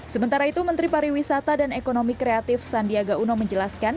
sementara itu menteri pariwisata dan ekonomi kreatif sandiaga uno menjelaskan